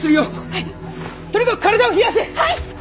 はい！